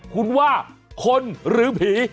คุณว่าคนหรือผี